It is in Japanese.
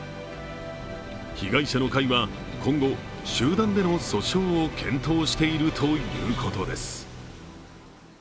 被害者の会は今後、集団での訴訟を検討しているということです。